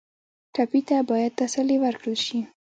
ټپي ته باید تسلي ورکړل شي.